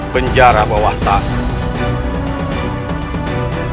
penjara bawah tanah